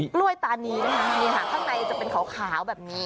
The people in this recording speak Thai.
กล้วยตานีนะคะนี่ค่ะข้างในจะเป็นขาวแบบนี้